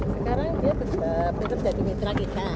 sekarang dia berhubung menjadi mitra kita